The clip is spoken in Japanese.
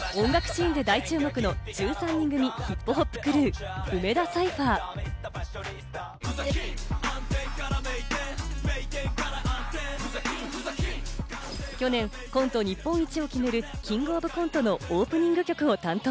今、音楽シーンで大注目の１３人組ヒップホップクルー・梅田サイファー。去年、コント日本一を決める『キングオブコント』のオープニング曲を担当。